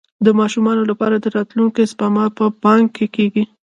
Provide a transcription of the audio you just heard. د ماشومانو لپاره د راتلونکي سپما په بانک کې کیږي.